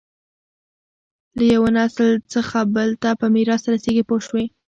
له یوه نسل څخه بل ته په میراث رسېږي پوه شوې!.